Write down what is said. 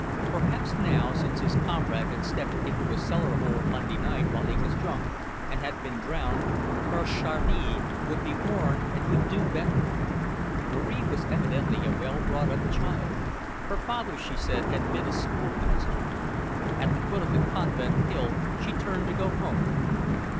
Perhaps now, since his comrade had stepped into a cellar hole Monday night while he was drunk, and had been drowned, her "Sharlie" would be warned and would do better. Marie was evidently a well brought up child. Her father, she said, had been a schoolmaster. At the foot of the convent hill, she turned to go home.